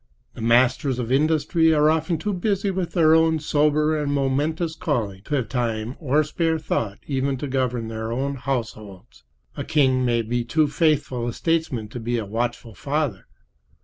The masters of industry are often too busy with their own sober and momentous calling to have time or spare thought enough to govern their own households. A king may be too faithful a statesman to be a watchful father.